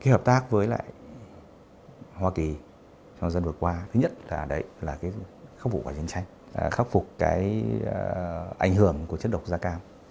hợp tác với hoa kỳ trong dân vượt qua thứ nhất là khắc phục quả chiến tranh khắc phục ảnh hưởng của chất độc da cam